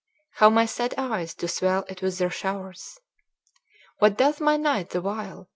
How my sad eyes do swell it with their showers! "What doth my knight the while?